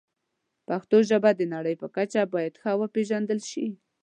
پښتو ژبه د نړۍ په کچه باید ښه وپیژندل شي.